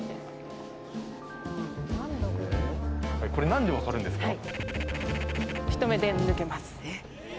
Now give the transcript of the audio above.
何で分かるんですか？